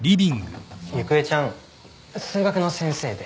ゆくえちゃん数学の先生で。